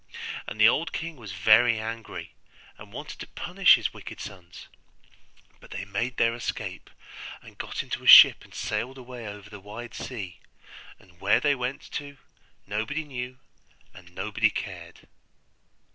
And the old king was very angry, and wanted to punish his wicked sons; but they made their escape, and got into a ship and sailed away over the wide sea, and where they went to nobody knew and nobody cared.